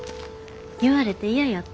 言われて嫌やった？